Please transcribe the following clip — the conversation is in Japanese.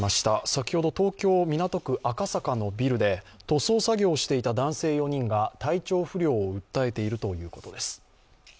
先ほど東京・港区赤坂のビルで塗装作業をしていた男性４人が体調不良を訴えているということです。